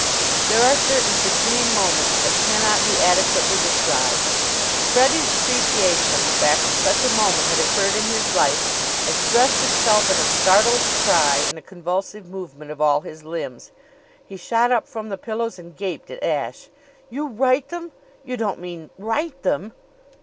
There are certain supreme moments that cannot be adequately described. Freddie's appreciation of the fact that such a moment had occurred in his life expressed itself in a startled cry and a convulsive movement of all his limbs. He shot up from the pillows and gaped at Ashe. "You write them? You don't mean, write them!"